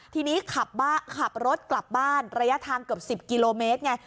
ทีนี้ขับรถกลับบ้านระยะทางเกือบ๑๐กิโลเมตรไง